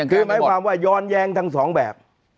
คือหมายความว่าย้อนแย้งทั้งสองแบบ